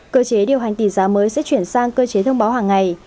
cơ chế điều hành tỷ giá mới sẽ chuyển sang cơ chế thông báo hàng ngày